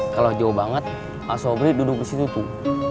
kalo jauh banget sobri duduk disitu tuh